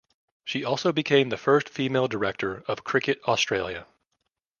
She also became the first female director of Cricket Australia.